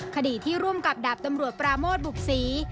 คดีที่ร่วมกับดาบตำรวจปราโมทบุกษี